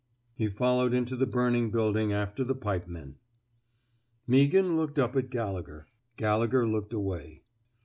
He followed into the burning building after the pipemen. Meaghan looked up at Gallegher. Galle gher looked away.